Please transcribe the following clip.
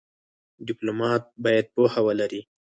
ډيپلومات باید پوهه ولري.